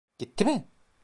Gitti mi?